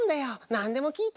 なんでもきいて！